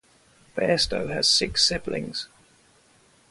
Bairstow has six siblings.